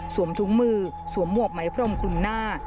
ถุงมือสวมหมวกไหมพรมคลุมหน้า